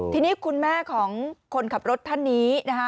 ทีนี้คุณแม่ของคนขับรถท่านนี้นะคะ